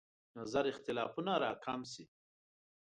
نظر اختلافونه راکم شي.